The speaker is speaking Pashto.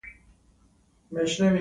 بایسکل د خوځښت ازادي ورکوي.